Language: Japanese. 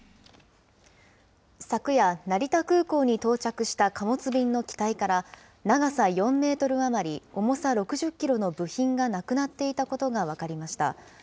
昨夜、成田空港に到着した貨物便の機体から、長さ４メートル余り、重さ６０キロの部品がなくなっていたことが分かりました。